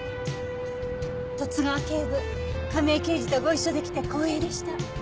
十津川警部亀井刑事とご一緒できて光栄でした。